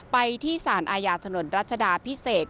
ไปที่สารอาญาถนนรัชดาพิเศษ